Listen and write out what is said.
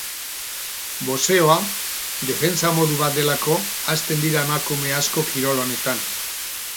Boxeoa defentsa modu bat delako hasten dira emakume asko kirol honetan.